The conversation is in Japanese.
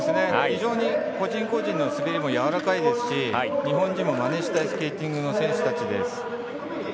非常に個人個人の滑りもやわらかいですし日本陣もまねしたいスケーティングの選手たちです。